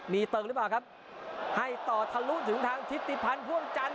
มีเติมหรือเปล่าครับให้ต่อทะลุถึงทางทิศติพันธ์พ่วงจันท